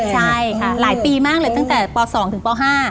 ใช่ค่ะหลายปีมากเลยตั้งแต่ป๒ถึงป๕